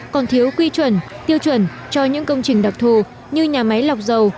còn thiếu quy chuẩn tiêu chuẩn cho những công trình đặc thù như nhà máy lọc dầu